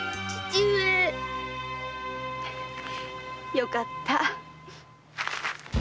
よかった。